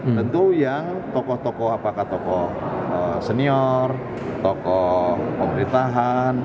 tentu yang tokoh tokoh apakah tokoh senior tokoh pemerintahan